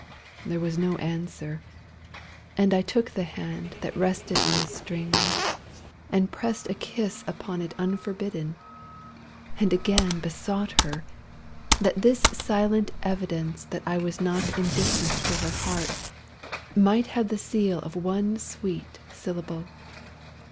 There was no answer, and I took the hand That rested on the strings, and pressed a kiss Upon it unforbidden and again Besought her, that this silent evidence That I was not indifferent to her heart, Might have the seal of one sweet syllable.